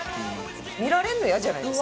見られるのイヤじゃないですか？